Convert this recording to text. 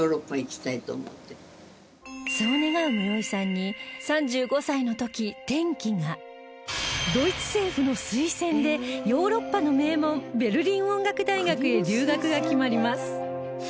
そう願う室井さんにドイツ政府の推薦でヨーロッパの名門ベルリン音楽大学へ留学が決まります